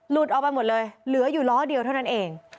เอาไปหมดเลยเหลืออยู่ล้อเดียวเท่านั้นเอง